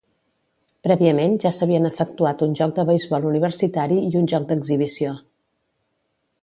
Prèviament ja s'havien efectuat un joc de beisbol universitari i un joc d'exhibició.